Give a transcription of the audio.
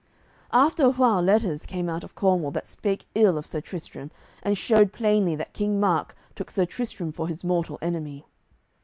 After a while letters came out of Cornwall that spake ill of Sir Tristram and showed plainly that King Mark took Sir Tristram for his mortal enemy.